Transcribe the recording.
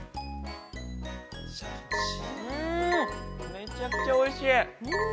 めちゃくちゃおいしい。